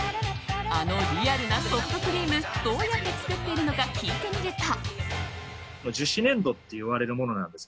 あのリアルなソフトクリームどうやって作っているのか聞いてみると。